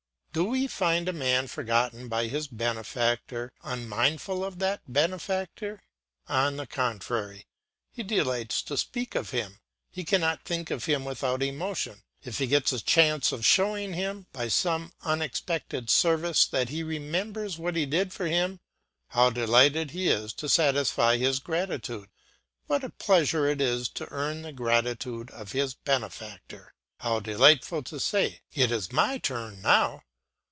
Do we find a man forgotten by his benefactor, unmindful of that benefactor? On the contrary, he delights to speak of him, he cannot think of him without emotion; if he gets a chance of showing him, by some unexpected service, that he remembers what he did for him, how delighted he is to satisfy his gratitude; what a pleasure it is to earn the gratitude of his benefactor. How delightful to say, "It is my turn now."